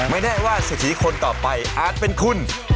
แน่ว่าเศรษฐีคนต่อไปอาจเป็นคุณ